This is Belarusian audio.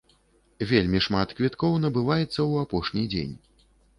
Вельмі шмат квіткоў набываецца ў апошні дзень.